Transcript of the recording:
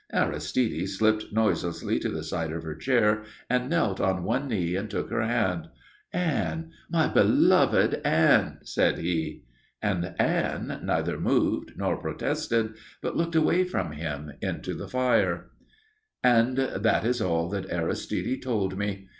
Aristide slipped noiselessly to the side of her chair and knelt on one knee and took her hand. "Anne my beloved Anne!" said he. And Anne neither moved nor protested, but looked away from him into the fire. And that is all that Aristide told me.